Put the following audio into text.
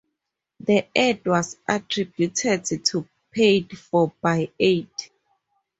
The ad was attributed to paid for by Ald.